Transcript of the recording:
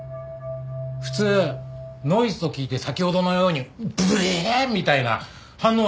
普通ノイズと聞いて先ほどのようにブエーッみたいな反応はしません。